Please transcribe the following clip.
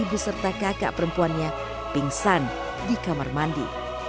ibu serta kakak perempuannya pingsan di kamar mandi